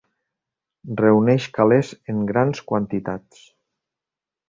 Reuneix calés en grans quantitats.